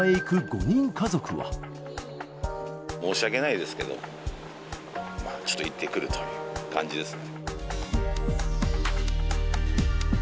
申し訳ないですけど、ちょっと行ってくるという感じですね。